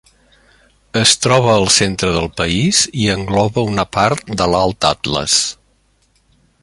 Es troba al centre del país, i engloba una part de l'Alt Atles.